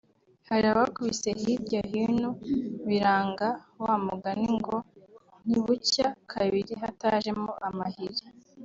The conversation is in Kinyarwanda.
hari abakubise hirya hino biranga wa mugani ngo ntibucya kabiri hatajemo amahiri